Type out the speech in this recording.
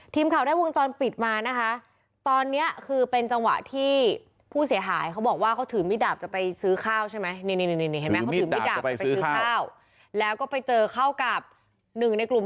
ทีมข่าวได้วงจรปิดมานะคะตอนนี้คือเป็นจังหวะที่ผู้เสียหายเขาบอกว่าเขาถือมีดดาบจะไปซื้อข้าวใช่ไหม